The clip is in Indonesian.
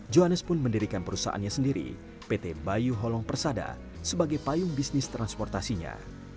johannes pun mendirikan perusahaannya sendiri pt bayu holong persada sebagai payung bisnis transportasinya